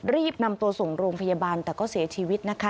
รีบนำตัวส่งโรงพยาบาลแต่ก็เสียชีวิตนะคะ